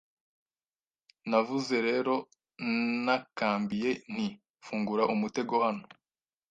Navuze rero ntakambiye nti fungura umutego hano